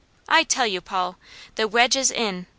I tell you, Paul, the wedge is in!